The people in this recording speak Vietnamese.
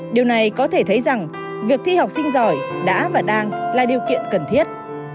điều này có thể thấy rằng việc thi học sinh giỏi đã và đang là điều kiện cần thiết